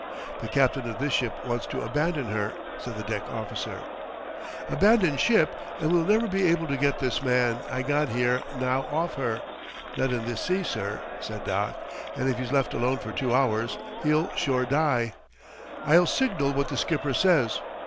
"The captain of this ship wants to abandon her," said the deck officer. "Abandon ship and we will never be able to get this man I got here now off her not in this sea, sir," said Doc. "And if he's left alone for two hours, he'll sure die." "I'll signal what the skipper says."